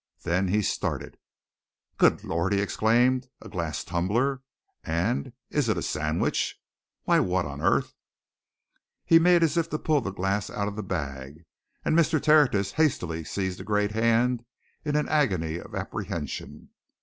Then he started. "Good Lord!" he exclaimed. "A glass tumbler! And is it a sandwich? Why, what on earth " He made as if to pull the glass out of the bag, and Mr. Tertius hastily seized the great hand in an agony of apprehension.